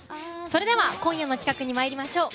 それでは、今夜の企画にいきましょう。